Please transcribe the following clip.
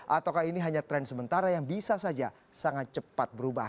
ataukah ini hanya tren sementara yang bisa saja sangat cepat berubah